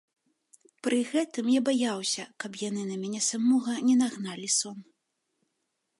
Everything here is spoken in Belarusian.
Пры гэтым я баяўся, каб яны на мяне самога не нагналі сон.